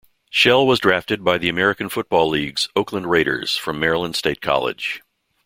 Shell was drafted by the American Football League's Oakland Raiders from Maryland State College.